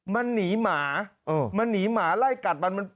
มันหนีหมามันหนีหมาไล่กัดมัน